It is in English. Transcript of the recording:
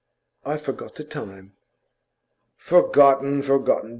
'I've forgot the time.' 'Forgotten, forgotten.